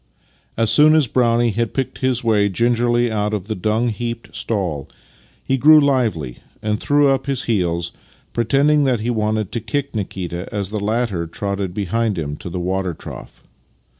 As soon as Brownie had picked his ^\'ay gingerly out of the dung heaped stall he grew lively and threw up his heels, pretending that he wanted to kick Nikita as the latter trotted beside him to the water trough.